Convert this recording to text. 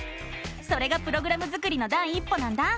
それがプログラム作りの第一歩なんだ！